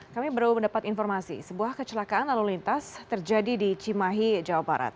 kami baru mendapat informasi sebuah kecelakaan lalu lintas terjadi di cimahi jawa barat